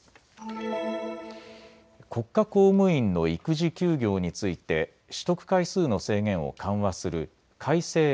国家公務員の育児休業について取得回数の制限を緩和する改正